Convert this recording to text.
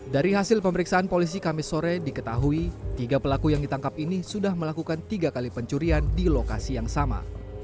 dari hasil pemeriksaan polisi kamis sore diketahui tiga pelaku yang ditangkap ini sudah melakukan tiga kali pencurian di lokasi yang sama